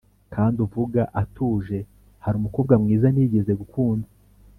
Kandi uvuga atuje hari umukobwa mwiza nigeze gukunda